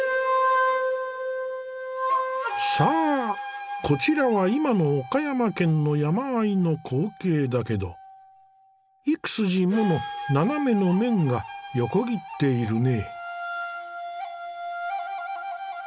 さあこちらは今の岡山県の山あいの光景だけど幾筋もの斜めの面が横切っているね。